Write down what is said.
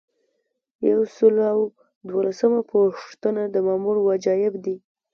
یو سل او دولسمه پوښتنه د مامور وجایب دي.